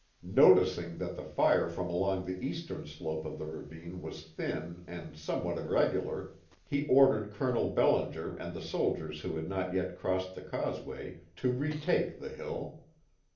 Noticing that the fire from along the eastern slope of the ravine was thin and somewhat irregular, he ordered Colonel Bellinger and the soldiers who had not yet crossed the causeway to retake the hill.